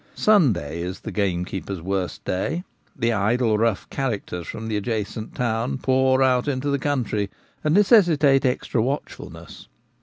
Sunday is the gamekeeper's worst day ; the idle, rough characters from the adjacent town pour out into the country, and necessitate extra watchfulness.